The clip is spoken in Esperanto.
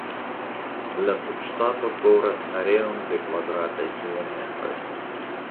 La subŝtato kovras areon de kvadrataj kilometroj.